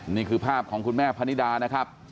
นี่คือภาพของคุณแม่พนิดานะครับ